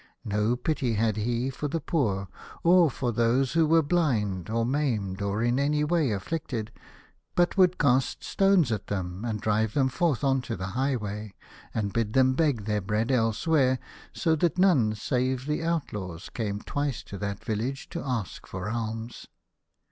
No pity had he for the poor, or for those who were blind or maimed or in any way afflicted, but would cast stones at them and drive them forth on to the highway, and bid them beg their bread elsewhere, so that none save the outlaws came twice to that village to ask for alms.